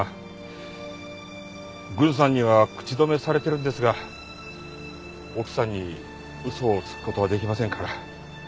郡さんには口止めされてるんですが奥さんに嘘をつく事はできませんから。